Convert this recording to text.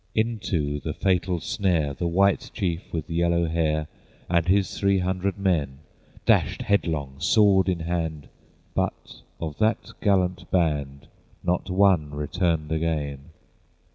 Into the fatal snare The White Chief with yellow hair And his three hundred men Dashed headlong, sword in hand; But of that gallant band Not one returned again.